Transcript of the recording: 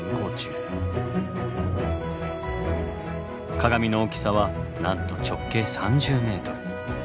鏡の大きさはなんと直径３０ｍ。